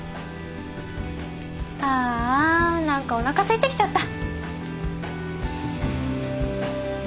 ああ何かおなかすいてきちゃった！